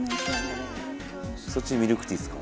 そっちミルクティーですか？